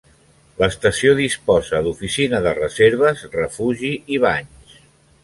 L'estació disposa d'oficina de reserves, refugi i banys.